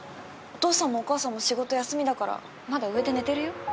お父さんもお母さんも仕事休みだからまだ上で寝てるよ。